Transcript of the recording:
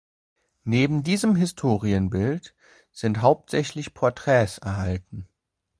Neben diesem Historienbild sind hauptsächlich Porträts erhalten.